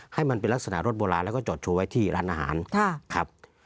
ให้มันเป็นลักษณะรถโบราณแล้วก็จอดโชว์ไว้ที่ร้านอาหารครับ